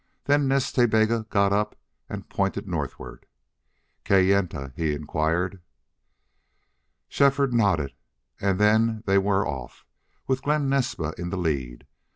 Then Nas Ta Bega got up and pointed northward. "Kayenta?" he inquired. Shefford nodded and then they were off, with Glen Naspa in the lead.